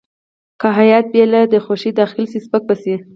که هیات بې له ده خوښې داخل شي سپک به شي.